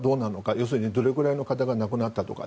要するに、どれだけの方が亡くなったのか。